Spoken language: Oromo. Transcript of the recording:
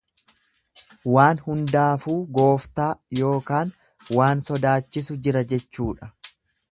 Waan hundaafuu gooftaa ykn waan sodaachisu jira jechuudha.